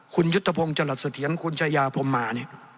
คุณยุทธพงศ์จรษฐียังคุณชายาผมมา